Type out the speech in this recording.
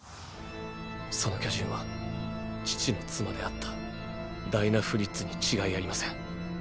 その巨人は父の妻であったダイナ・フリッツに違いありません。